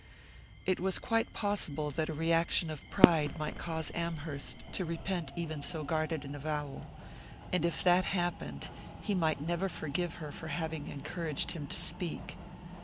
It was quite possible that a reaction of pride might cause Amherst to repent even so guarded an avowal; and if that happened, he might never forgive her for having encouraged him to speak.